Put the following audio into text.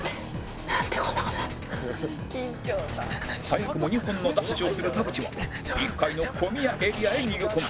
早くも２本のダッシュをする田渕は１階の小宮エリアへ逃げ込む